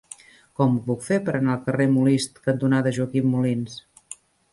Com ho puc fer per anar al carrer Molist cantonada Joaquim Molins?